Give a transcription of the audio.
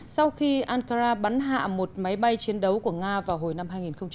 sau khi ankara bắn hạ một máy bay chiến đấu của nga vào hồi năm hai nghìn một mươi ba